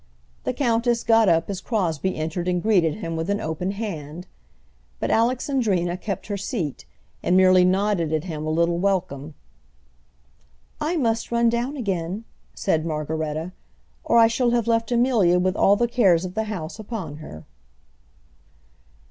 The countess got up as Crosbie entered and greeted him with an open hand; but Alexandrina kept her seat, and merely nodded at him a little welcome. "I must run down again," said Margaretta, "or I shall have left Amelia with all the cares of the house upon her."